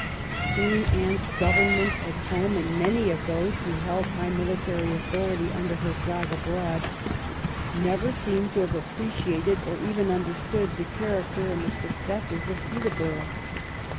Queen Anne's government at home, and many of those who held high military authority imder her flag abroad, never seem to have appreciated or even understood the char acter and the successes of Peterborough.